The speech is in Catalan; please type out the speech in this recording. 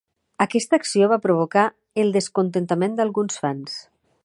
Aquesta acció va provocar el descontentament d'alguns fans.